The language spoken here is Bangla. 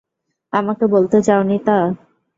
আমাকে বলতে চাওনি তা?